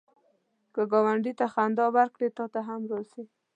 که ګاونډي ته خندا ورکړې، تا ته هم راځي